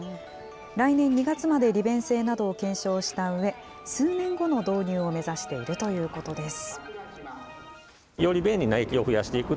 来年２月まで利便性などを検証したうえ、数年後の導入を目指しているということです。